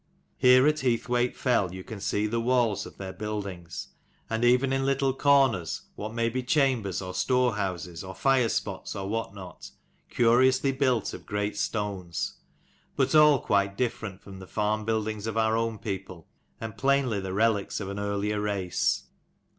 Here at Heathwaite fell you can see the walls of their buildings, and even in little corners what may be chambers, or store houses, or fire spots, or what not, curiously built of great stones: but all quite different from the farm buildings of our own people, and plainly the relics of an earlier race.